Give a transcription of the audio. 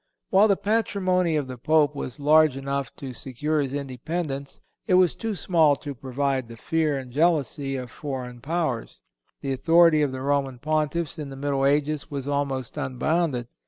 (185) While the patrimony of the Pope was large enough to secure his independence, it was too small to provoke the fear and jealousy of foreign powers. The authority of the Roman Pontiffs in the Middle Ages was almost unbounded.